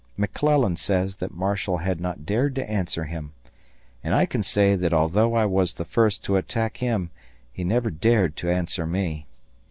McClellan says that Marshall had not dared to answer him; and I can say that although I was the first to attack him he never dared to answer me.